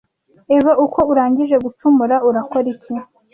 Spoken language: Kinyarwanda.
eva uko urangije gucumura urakora iki